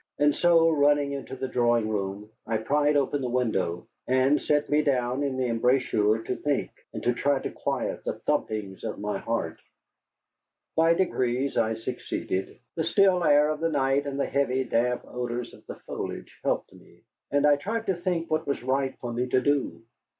And so, running into the drawing room, I pried open the window, and sat me down in the embrasure to think, and to try to quiet the thumpings of my heart. By degrees I succeeded. The still air of the night and the heavy, damp odors of the foliage helped me. And I tried to think what was right for me to do.